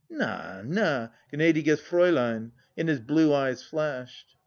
" Na, Na, gnadiges Fraiilein !" and his blue eyes flashed.